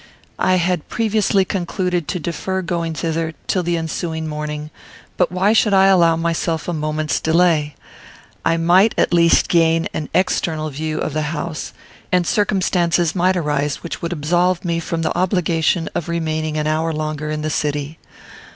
I had previously concluded to defer going thither till the ensuing morning; but why should I allow myself a moment's delay? I might at least gain an external view of the house, and circumstances might arise which would absolve me from the obligation of remaining an hour longer in the city.